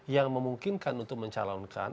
yang memungkinkan untuk mencalonkan